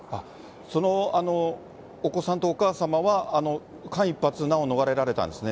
そのお子さんとお母様は、間一髪、難を逃れられたんですね？